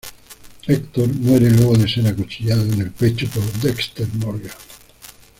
Hector muere luego de ser acuchillado en el pecho por Dexter Morgan.